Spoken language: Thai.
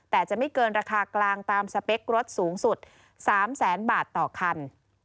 แต่จะไม่เกินราคากลางตามสเปครถสูงสุด๓แสนบาทต่อคัน